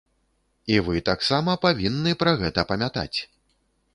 І вы таксама павінны пра гэта памятаць.